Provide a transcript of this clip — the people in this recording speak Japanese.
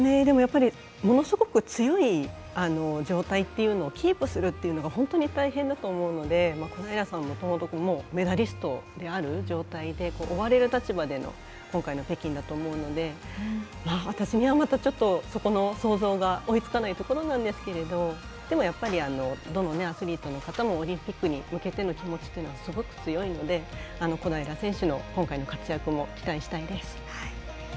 でも、やっぱりものすごい強い状態というのをキープするのが大変だと思うので小平さんもメダリストである状態で追われる立場での今回の北京だと思うので私にはまだちょっとそこの想像が追いつかないところなんですけどどのアスリートの方もオリンピックに向けての気持ちというのはすごく強いので、小平選手の今回の活躍も期待したいです。